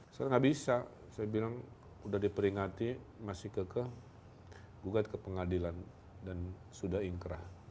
saya nggak bisa saya bilang sudah diperingati masih kekeh gugat ke pengadilan dan sudah ingkrah